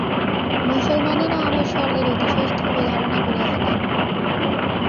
মুসলমানেরা আবার স্বর্গের অতিশয় স্থূল ধারণা করিয়া থাকেন।